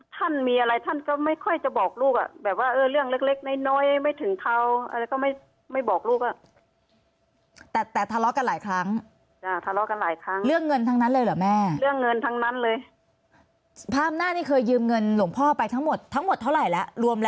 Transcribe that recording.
แต่ทำร้ายร่างกายนี้แม่ก็ยังไม่รู้นะเพราะว่า